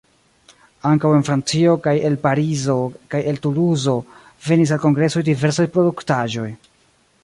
Ankaŭ en Francio kaj el Parizo kaj el Tuluzo venis al kongresoj diversaj produktaĵoj.